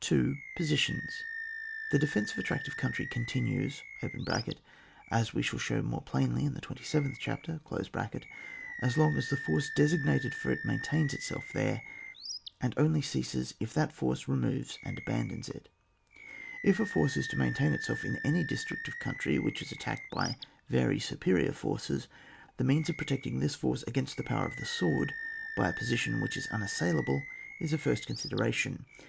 2. Positions. — h e defence of a tract of country continues (as we shall show more plainly in the 27th chapter) as long as the force designated for it maintains itself there, and only ceases if that force removes and abandons it. If a force is to maintain itself in any district of country which is attacked by very superior forces, the means of pro tecting this force against the power of the sword by a position which is unas sailable is a first consideration.